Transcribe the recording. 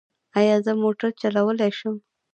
ایا زه موټر چلولی شم؟